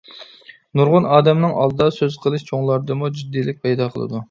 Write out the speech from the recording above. نۇرغۇن ئادەمنىڭ ئالدىدا سۆز قىلىش چوڭلاردىمۇ جىددىيلىك پەيدا قىلىدۇ.